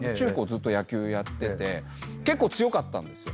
ずっと野球やってて結構強かったんですよ。